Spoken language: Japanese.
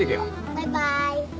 バイバーイ。